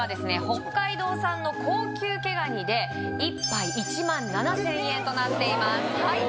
北海道産の高級毛ガニで１杯１７，０００円となっています